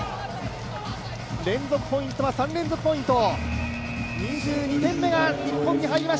連続ポイントは３連続ポイント。